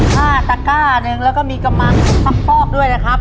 ผ้าตะก้าหนึ่งแล้วก็มีกระมังฟักฟอกด้วยนะครับ